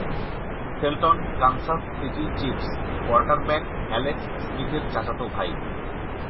Shelton Kansas City Chiefs quarterback Alex স্মিথের চাচাতো ভাই।